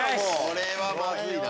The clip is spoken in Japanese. これはまずいな。